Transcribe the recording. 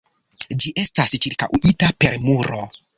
Ĝi estas ĉirkaŭita per muro.